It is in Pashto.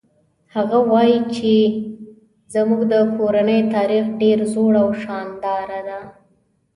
هغه وایي چې زموږ د کورنۍ تاریخ ډېر زوړ او شانداره ده